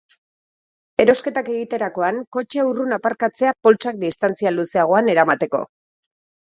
Erosketak egiterakoan, kotxea urrun aparkatzea poltsak distantzia luzeagoan eramateko.